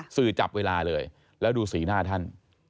จับเวลาเลยแล้วดูสีหน้าท่าน